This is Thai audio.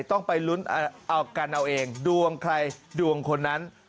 ต้องไปลุ้นเอากันเอาเองดวงใครดวงคนนั้น